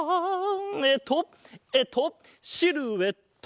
えっとえっとシルエット！